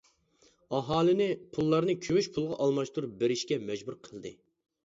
ئاھالىنى پۇللارنى كۈمۈش پۇلغا ئالماشتۇرۇپ بېرىشكە مەجبۇر قىلدى.